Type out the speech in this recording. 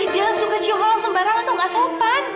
jangan suka cium orang sembarang tau gak sopan